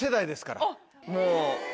もう。